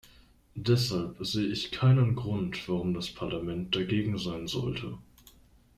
Deshalb sehe ich keinen Grund, warum das Parlament dagegen sein sollte.